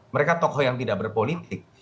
mereka tokoh yang tidak berpolitik